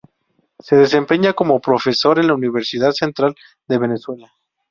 Se desempeña como profesor en la Universidad Central de Venezuela.